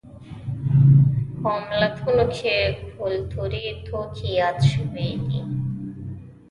په متلونو کې کولتوري توکي یاد شوي دي